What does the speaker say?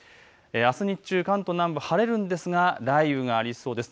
あす日中、関東南部晴れるんですが雷雨がありそうです。